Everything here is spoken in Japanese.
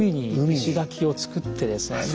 石垣を造ってですね。